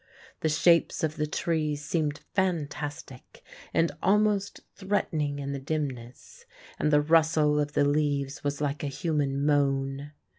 The shapes of the trees seemed fantastic and almost threatening in the dimness, and the rustle of the leaves was like a human moan.